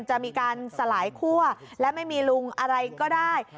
จะมีการสลายคั่วและไม่มีลุงอะไรก็ได้